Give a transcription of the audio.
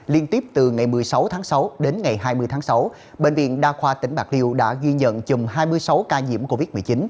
liên tiếp từ ngày một mươi sáu tháng sáu đến ngày hai mươi tháng sáu bệnh viện đa khoa tỉnh bạc liêu đã ghi nhận chùm hai mươi sáu ca nhiễm covid một mươi chín